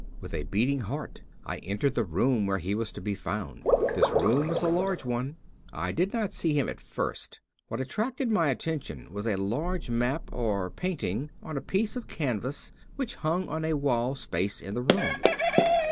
With a beating heart I entered the room where he was to be fotmd. This room was a large one. I did not see him at first. What attracted my attention was a large map or painting on a piece of canvas which hung on a wall space in the room.